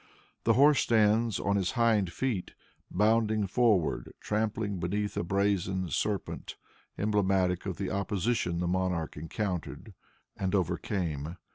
The horse stands on his hind feet bounding forward, trampling beneath a brazen serpent, emblematic of the opposition the monarch encountered and overcame.